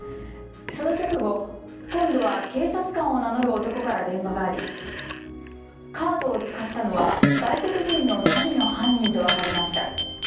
その直後、今度は警察官を名乗る男から電話がありカードを使ったのは外国人の詐欺の犯人と分かりました。